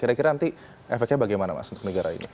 kira kira nanti efeknya bagaimana mas untuk negara ini